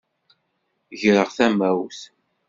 Greɣ tamawt.